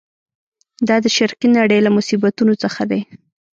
دا د شرقي نړۍ له مصیبتونو څخه دی.